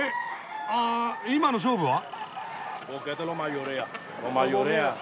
あ今の勝負は？